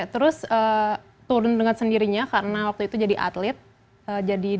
terus turun dengan sendirinya karena waktu itu jadi atlet jadi delapan puluh empat